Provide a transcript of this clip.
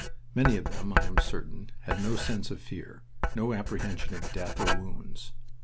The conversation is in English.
Many of them, I am certain, had no sense of fear, no apprehension of death or wounds.